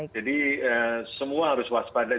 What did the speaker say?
jadi semua harus waspadai